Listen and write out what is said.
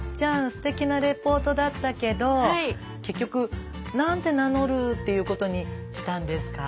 すてきなレポートだったけど結局何て名乗るっていうことにしたんですか？